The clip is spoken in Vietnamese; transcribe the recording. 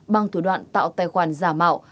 bằng thủ đoạn tạo tài khoản giả mạo